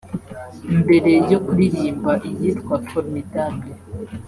Mbere yo kuririmba iyitwa ‘Formidable’